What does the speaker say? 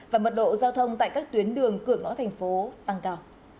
và mật độ giao thông tại các tuyến đường cửa ngõ thành phố tăng cao